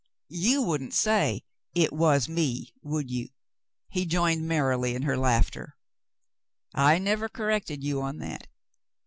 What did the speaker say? "You wouldn't say 'it was me,' would you ?" He joined merrily in her laughter. "I never corrected you on that."